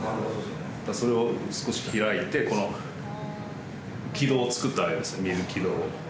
それを少し開いて、この軌道を作ってあげるんです、見える軌道を。